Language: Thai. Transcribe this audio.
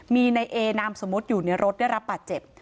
มีในเอนามสมมุติอยู่ในรถได้รับบาดเจ็บ